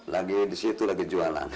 lagi di situ lagi jualan